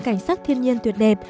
cảnh sắc thiên nhiên tuyệt đẹp